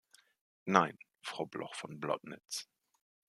Nein, Frau Bloch von Blottnitz.